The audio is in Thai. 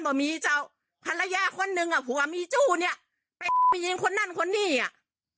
ว่ามีเจ้าภรรยาคนหนึ่งอ่ะผัวมีจู้เนี้ยไปไปยิงคนนั่นคนนี้อ่ะ